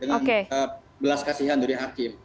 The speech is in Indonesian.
dengan belas kasihan dari hakim